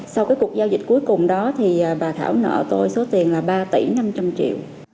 sau cái cuộc giao dịch cuối cùng đó thì bà thảo nợ tôi số tiền là ba tỷ năm trăm linh triệu